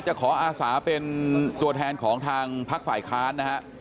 จะขออาสาเป็นตัวแทนของทางพลักษณ์ฝ่ายค้าน